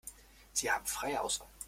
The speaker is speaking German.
Sie haben freie Auswahl.